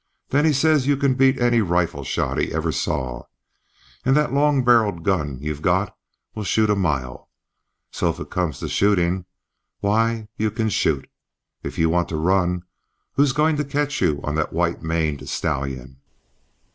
Then he says you can beat any rifle shot he ever saw, and that long barrelled gun you've got will shoot a mile. So if it comes to shooting why, you can shoot. If you want to run who's going to catch you on that white maned stallion?